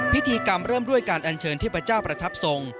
พิธีกรรมเริ่มด้วยการอัญเชิญเทพเจ้าประทับทรง